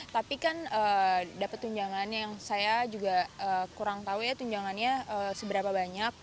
tapi kan dapat tunjangan yang saya juga kurang tahu ya tunjangannya seberapa banyak